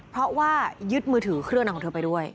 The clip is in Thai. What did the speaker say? เพราะว่ายึดมือถือเครื่องนั้นของเธอไปด้วย